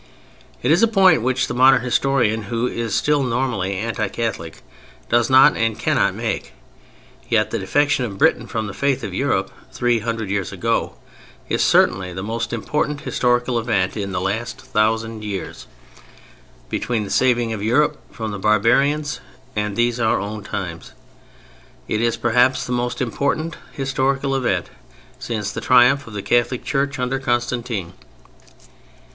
It is a point which the modern historian, who is still normally anti Catholic, does not and cannot make. Yet the defection of Britain from the Faith of Europe three hundred years ago is certainly the most important historical event in the last thousand years: between the saving of Europe from the barbarians and these our own times. It is perhaps the most important historical event since the triumph of the Catholic Church under Constantine.